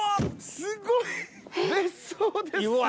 すごい！別荘です。